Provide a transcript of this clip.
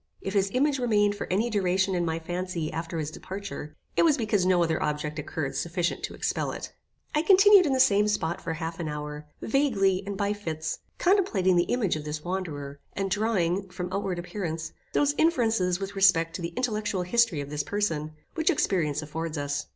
If his image remained for any duration in my fancy after his departure, it was because no other object occurred sufficient to expel it. I continued in the same spot for half an hour, vaguely, and by fits, contemplating the image of this wanderer, and drawing, from outward appearances, those inferences with respect to the intellectual history of this person, which experience affords us.